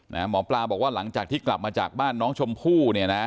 หมอปลาบอกว่าหลังจากที่กลับมาจากบ้านน้องชมพู่เนี่ยนะ